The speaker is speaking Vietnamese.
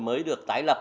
mới được tái lập